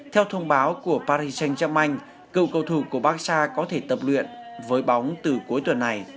theo thông báo của paris saint germain cựu cầu thủ của barca có thể tập luyện với bóng từ cuối tuần này